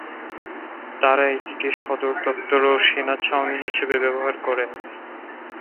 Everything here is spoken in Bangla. তারা এটিকে সদর দপ্তর ও সেনা-ছাঁউনি হিসাবে ব্যবহার করেন।